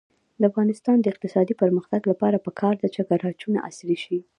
د افغانستان د اقتصادي پرمختګ لپاره پکار ده چې ګراجونه عصري شي.